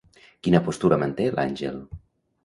Quina postura manté, l'àngel?